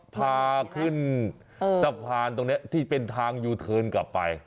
พาขึ้นสะพานตรงนี้ที่เป็นทางยูเทิร์นกลับไป